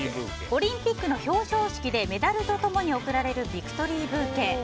オリンピックの表彰式でメダルと共に贈られるビクトリーブーケ。